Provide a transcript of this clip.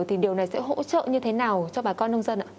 thì điều này sẽ hỗ trợ như thế nào cho bà con nông dân ạ